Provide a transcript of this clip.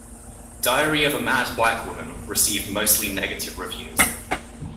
"Diary of a Mad Black Woman" received mostly negative reviews.